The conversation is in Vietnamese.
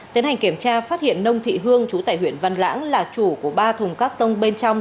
tiến hành kiểm tra phát hiện nông thị hương chú tại huyện văn lãng là chủ của ba thùng các tông bên trong